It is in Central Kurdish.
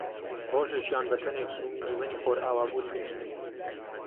ڕۆژێکیان بەتەنێ چووم دیمەنی خۆرئاوابوون ببینم